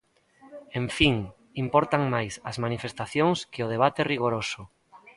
En fin, importan máis as manifestacións que o debate rigoroso.